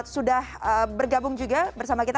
sudah bergabung juga bersama kita